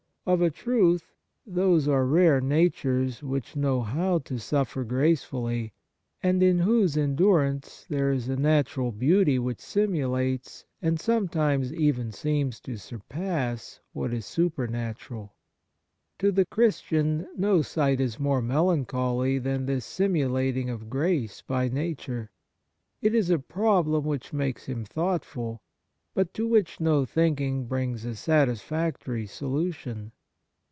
Of a truth those are. rare natures which know how to suffer grace fully, and in whose endurance there is a natural beauty which simulates, and some times even seems to surpass, what is super natural. To the Christian, no sight is more melancholy than this simulating of grace by nature. It is a problem which makes him thoughtful, but to which no thinking brings a satisfactory solution.